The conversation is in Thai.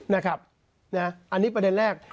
นะครับอันนี้ประเด็นแรก